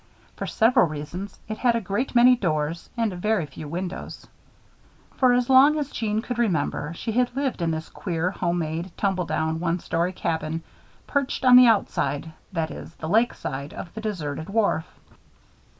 For several reasons, it had a great many doors and very few windows. For as long as Jeanne could remember, she had lived in this queer, home made, tumble down, one story cabin; perched on the outside that is, the lake side of the deserted wharf.